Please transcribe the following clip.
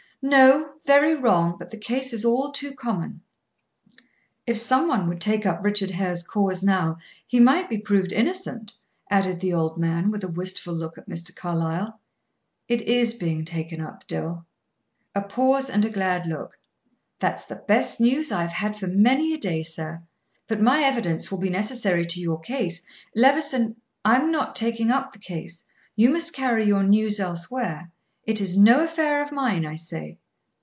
"No; very wrong. But the case is all too common." "If some one would take up Richard Hare's cause now, he might be proved innocent," added the old man, with a wistful look at Mr. Carlyle. "It is being taken up, Dill." A pause and a glad look. "That's the best news I have had for many a day, sir. But my evidence will be necessary to your case. Levison " "I'm not taking up the case. You must carry your news elsewhere. It is no affair of mine, I say."